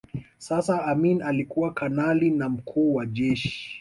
Sasa Amin alikuwa kanali na Mkuu wa Jeshi